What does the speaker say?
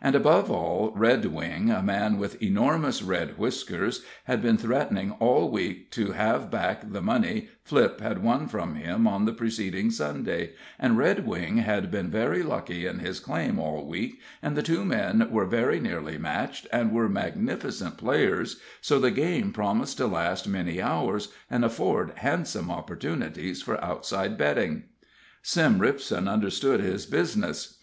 And above all, Redwing, a man with enormous red whiskers, had been threatening all week to have back the money Flipp had won from him on the preceding Sunday, and Redwing had been very lucky in his claim all week, and the two men were very nearly matched, and were magnificent players, so the game promised to last many hours, and afford handsome opportunities for outside betting. Sim Ripson understood his business.